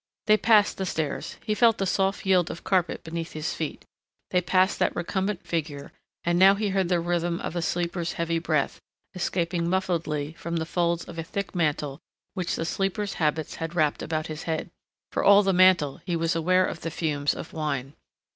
They passed the stairs; he felt the soft yield of carpet beneath his feet; they passed that recumbent figure and now he heard the rhythm of a sleeper's heavy breath, escaping muffledly from the folds of a thick mantle which the sleeper's habits had wrapped about his head. For all the mantle he was aware of the fumes of wine.